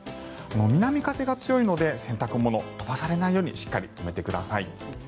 南風が強いので洗濯物、飛ばされないようにしっかり止めてください。